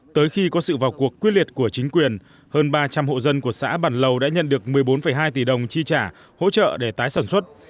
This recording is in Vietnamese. tới khi có sự vào cuộc quyết liệt của chính quyền hơn ba trăm linh hộ dân của xã bản lầu đã nhận được một mươi bốn hai tỷ đồng chi trả hỗ trợ để tái sản xuất